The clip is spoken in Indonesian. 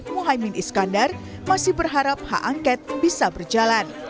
muhaymin iskandar masih berharap hak angket bisa berjalan